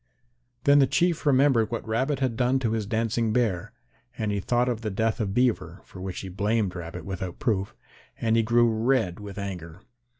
Then the Chief remembered what Rabbit had done to his dancing Bear, and he thought of the death of Beaver, for which he blamed Rabbit without proof, and he grew red with anger.